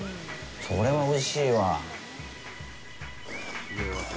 それはおいしいわ。